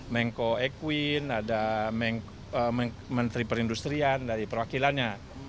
mengko ekwin ada menteri perindustrian dari perwakilannya